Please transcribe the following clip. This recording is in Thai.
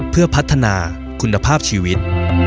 เพื่อพัฒนาคุณภาพชีวิต